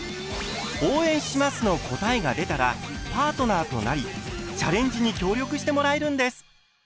「応援します」の答えが出たらパートナーとなりチャレンジに協力してもらえるんです。